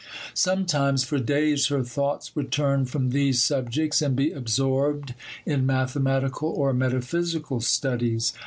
Sometimes, for days, her thoughts would turn from these subjects and be absorbed in mathematical or metaphysical studies.